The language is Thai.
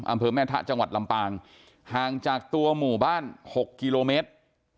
อำเภอแม่ทะจังหวัดลำปางห่างจากตัวหมู่บ้าน๖กิโลเมตร